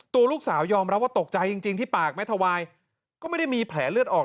ตัวลูกสาวยอมรับว่าตกใจจริงที่ปากแม่ทวายก็ไม่ได้มีแผลเลือดออก